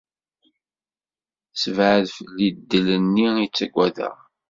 Ssebɛed fell-i ddel-nni i ttaggadeɣ.